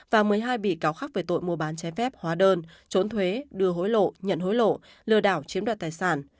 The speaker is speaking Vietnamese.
và một mươi hai bị cáo khác về tội mua bán trái phép hóa đơn trốn thuế đưa hối lộ nhận hối lộ lừa đảo chiếm đoạt tài sản